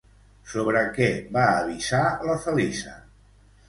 Sobre què va avisar la Feliça?